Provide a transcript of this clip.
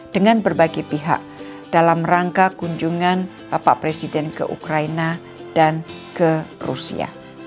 dengan berbagai pihak dalam rangka kunjungan bapak presiden ke ukraina dan ke rusia